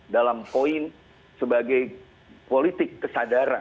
dalam poin sebagai politik kesadaran